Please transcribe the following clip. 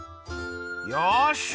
よし！